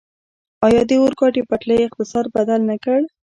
آیا د اورګاډي پټلۍ اقتصاد بدل نه کړ؟